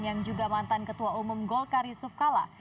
yang juga mantan ketua umum golkar yusuf kala